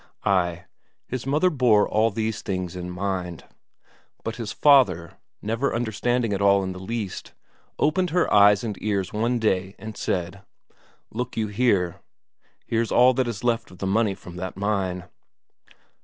Ay, his mother bore all these things in mind. But his father, never understanding it all in the least, opened her eyes and ears one day and said: "Look you here. Here's all that is left of the money from that mine."